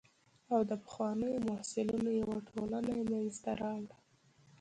او د پخوانیو محصلینو یوه ټولنه یې منځته راوړه.